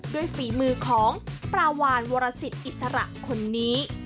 ฝีมือของปลาวานวรสิตอิสระคนนี้